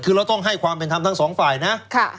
คือเราต้องให้ความเป็นธรรมทั้งสองฝ่ายนะ